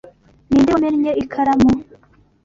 Ninde wamennye ikaramu?